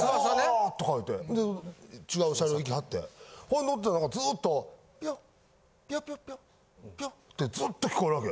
あ！とか言って違う車両行きはってほんで乗ってたらずっとピヨピヨピヨピヨってずっと聞こえるわけ。